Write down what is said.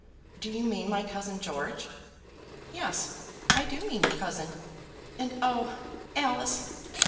"Do you mean my cousin George?" "Yes, I do mean your cousin; and oh, Alice!